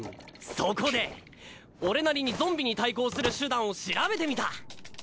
そこで俺なりにゾンビに対抗する手段を調べてみた！